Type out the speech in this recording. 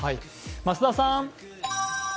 増田さん。